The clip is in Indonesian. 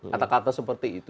kata kata seperti itu